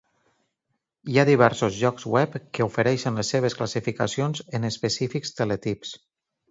Hi ha diversos llocs web que ofereixen les seves classificacions en específics teletips.